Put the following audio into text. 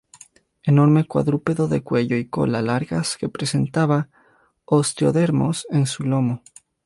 Enorme cuadrúpedo de cuello y cola largas que presentaba osteodermos en su lomo.